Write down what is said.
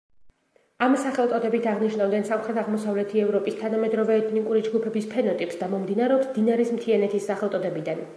ამ სახელწოდებით აღნიშნავდნენ სამხრეთ-აღმოსავლეთი ევროპის თანამედროვე ეთნიკური ჯგუფების ფენოტიპს და მომდინარეობს დინარის მთიანეთის სახელწოდებიდან.